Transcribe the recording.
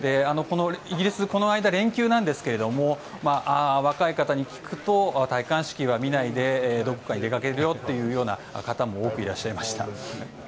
イギリス、この間は連休なんですが若い方に聞くと戴冠式は見ないでどこかに出かけるという方も多くいらっしゃいました。